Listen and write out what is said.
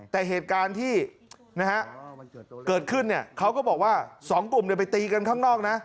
แต่เหตุการณ์ที่เกิดขึ้นเนี่ยเขาก็บอกว่า๒กลุ่มเดี๋ยวไปตีกันข้างนอกนะ